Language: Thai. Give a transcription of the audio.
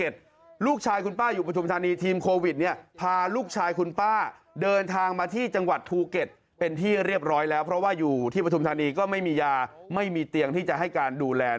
สามารถโทรหาลองช่วยหน่อยครับโรงศาล